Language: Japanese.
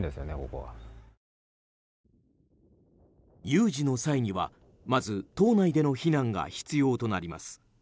有事の際には、まず島内での避難が必要となります。